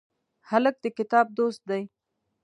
هلک د کتاب دوست دی.